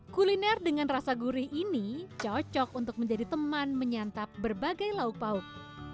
kuliner dengan rasa gurih ini cocok untuk menjadi teman menyantap berbagai lauk pauk